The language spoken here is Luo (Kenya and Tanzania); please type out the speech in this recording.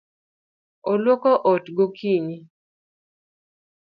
Oluoko ot gokinyi.